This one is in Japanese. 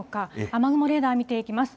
雨雲レーダー見ていきます。